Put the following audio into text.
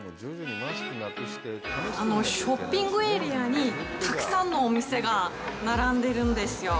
ショッピングエリアにたくさんのお店が並んでるんですよ。